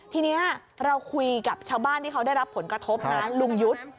ทีนี้เราคุยกับชาวบ้านที่เขาได้รับผลกระทบนะลุงยุทธ์